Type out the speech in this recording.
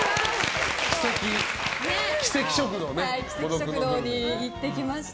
キセキ食堂に行ってきました。